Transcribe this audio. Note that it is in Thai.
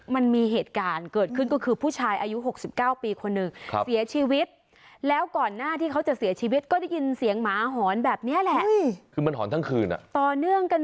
มันมีเหตุการณ์เกิดขึ้นก็คือผู้ชายอายุ๖๙ปีคนหนึ่ง